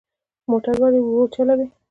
موټر ولې ورو چلوو؟